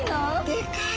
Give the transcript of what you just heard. でかい。